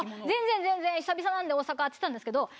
全然全然久々なんで大阪！って言ってたんですけど。